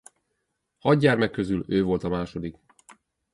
Hat gyermek közül ő volt a második.